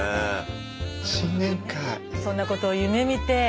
そんなことを夢みて。